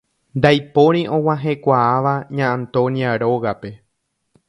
Ndaipóri og̃uahẽkuaáva Ña Antonia rógape.